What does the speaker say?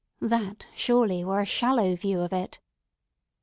That, surely, were a shallow view of it.